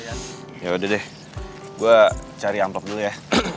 ya yaudah deh gue cari amplop dulu ya